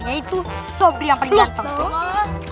yaitu sobri yang paling gampang